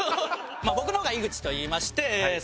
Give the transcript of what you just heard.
僕の方が井口といいまして３８歳。